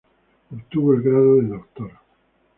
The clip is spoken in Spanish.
Obtuvo el grado de doctor.